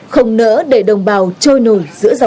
không nỡ để đồng bào trôi nổi giữa dòng nước